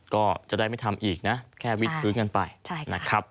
ก็จะได้ไม่ทำอีกนะแค่วิทพื้นกันไปนะครับ